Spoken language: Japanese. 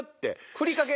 ふりかけ？